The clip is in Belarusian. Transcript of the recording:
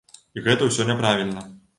І гэта ўсё няправільна.